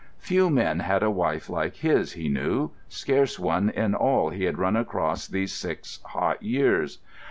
Few men had a wife like his, he knew—scarce one in all he had run across these six hot years.